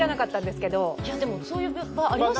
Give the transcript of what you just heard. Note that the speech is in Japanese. でも、そういう場、ありますよね。